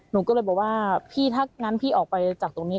หนูก็เลยบอกว่าพี่ถ้างั้นพี่ออกไปจากตรงนี้